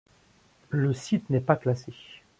Le site n'est pas classé.